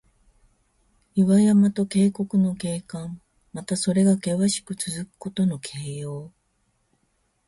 岩山と渓谷の景観。また、それがけわしくつづくことの形容。